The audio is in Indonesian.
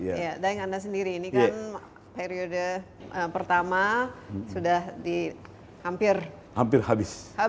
ya daeng anda sendiri ini kan periode pertama sudah hampir habis